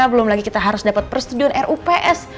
belum lagi kita harus dapat persetujuan rups